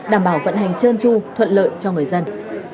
đảm bảo vận hành chơn chu thuận lợi cho người dân